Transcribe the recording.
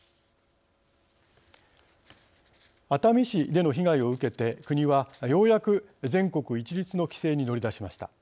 熱海市での被害を受けて国はようやく全国一律の規制に乗り出しました。